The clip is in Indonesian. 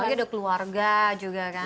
apalagi ada keluarga juga kan